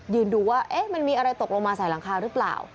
ดูว่ามันมีอะไรตกลงมาใส่หลังคาหรือเปล่า